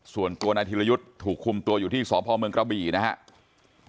ส่วนตัวนายธิรยุทธ์ถูกคุมตัวอยู่ที่สพเมืองกระบี่นะครับ